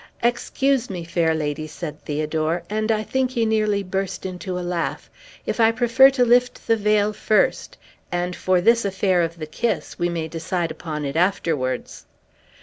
"Excuse me, fair lady," said Theodore, and I think he nearly burst into a laugh, "if I prefer to lift the veil first; and for this affair of the kiss, we may decide upon it afterwards."